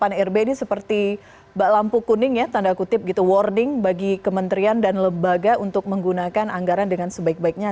pan rb ini seperti lampu kuning ya tanda kutip gitu warning bagi kementerian dan lembaga untuk menggunakan anggaran dengan sebaik baiknya